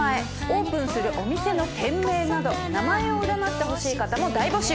オープンするお店の店名など名前を占ってほしい方も大募集！